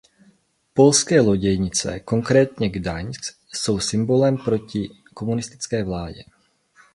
Polské loděnice, konkrétně Gdaňsk, jsou symbolem boje proti komunistické vládě.